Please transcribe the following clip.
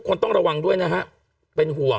กล้องกว้างอย่างเดียว